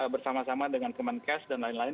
bersama sama dengan kemenkes dan lain lain